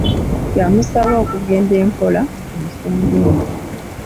Yamusaba okugenda empola ku nsonga eno.